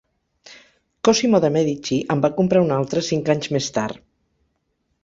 Cosimo de' Medici en va comprar un altre cinc anys més tard.